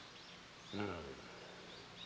うん。